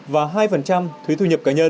và hai thuế thu nhập cá nhân